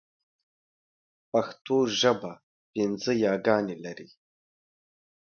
پښتو ژبه پینځه یاګانې لري: ی، ي، ئ، ې او ۍ